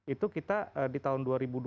itu kita di tahun dua ribu dua puluh